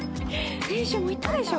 先週も言ったでしょ。